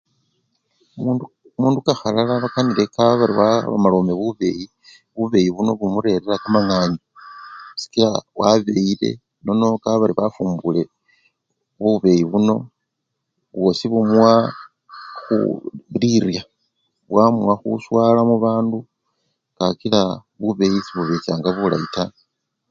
Mundu! mundu kakhalala lwakanile kabari walomalomkle bubeyi, bubeyi buno bumurerira kamanganyu sikila wabeyile nono kabari wafumbule bubeyi buno bwosi bumuwa khu! lirye, bwamuwa khuswala mubandu, kakila bubeyi sebubechanga bulayi taa.